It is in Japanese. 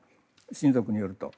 親族によると。